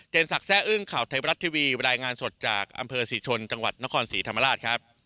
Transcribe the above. สักแซ่อึ้งข่าวไทยบรัฐทีวีรายงานสดจากอำเภอศรีชนจังหวัดนครศรีธรรมราชครับ